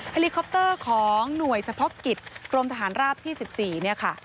ลิคอปเตอร์ของหน่วยเฉพาะกิจกรมทหารราบที่๑๔เนี่ยค่ะ